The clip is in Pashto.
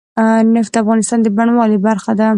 نفت د افغانستان د بڼوالۍ برخه ده.